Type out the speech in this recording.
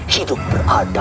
hidup berada disini cewis